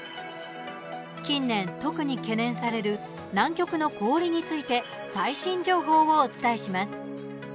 近年、特に懸念される南極の氷について最新情報をお伝えします。